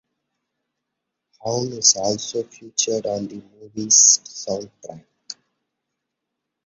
Haun is also featured on the movie's soundtrack.